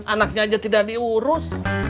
anaknya aja tidak diurus